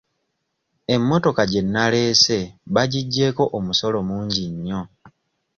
Emmotoka gye naleese bagiggyeko omusolo mungi nnyo.